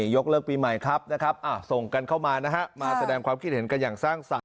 ยกเลิกปีใหม่ครับส่งกันเข้ามาแสดงความคิดเห็นกันอย่างสร้างสรรค์